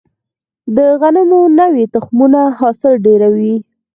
د غنمو نوي تخمونه حاصل ډیروي.